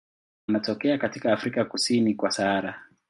Anatokea katika Afrika kusini kwa Sahara.